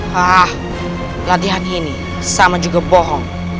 hah latihan ini sama juga bohong